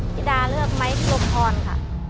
พี่ดาเลือกไม้พิรมพรค่ะ